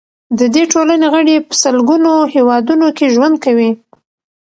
د دې ټولنې غړي په سلګونو هیوادونو کې ژوند کوي.